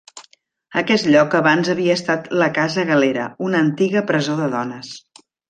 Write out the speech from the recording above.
Aquest lloc abans havia estat la Casa Galera, una antiga presó de dones.